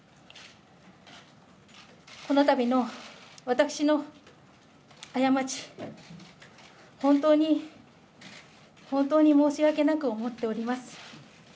このたびの私の過ち、本当に、本当に申し訳なく思っております。